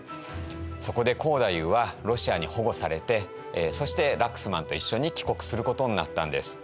そこで光太夫はロシアに保護されてそしてラックスマンと一緒に帰国することになったんです。